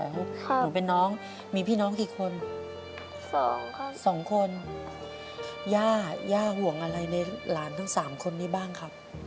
หนูเป็นน้องมีพี่น้องกี่คนสองคนย่าย่าห่วงอะไรในหลานทั้งสามคนนี้บ้างครับ